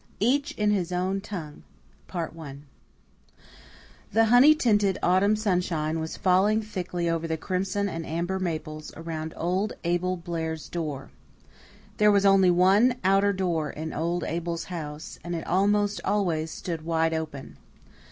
Each In His Own Tongue The honey tinted autumn sunshine was falling thickly over the crimson and amber maples around old Abel Blair's door. There was only one outer door in old Abel's house, and it almost always stood wide open.